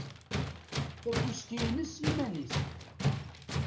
Takuski-ines iman-is.